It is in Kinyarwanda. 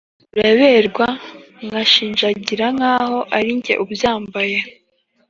uraberwa ngashinjagira nkaho arinjye ubyambaye."